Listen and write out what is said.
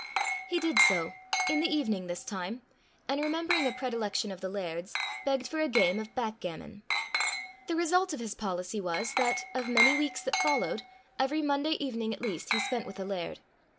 He did so, in the evening this time, and remembering a predilection of the laird's, begged for a game of backgammon. The result of his policy was, that, of many weeks that followed, every Monday evening at least he spent with the laird.